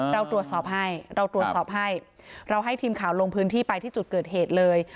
เราตรวจสอบให้เราตรวจสอบให้เราให้ทีมข่าวลงพื้นที่ไปที่จุดเกิดเหตุเลย